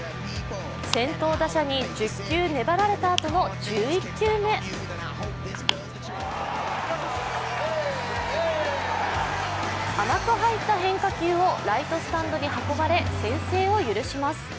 先頭打者に１０球粘られたあとの１１球目甘く入った変化球をライトスタンドに運ばれ先制を許します。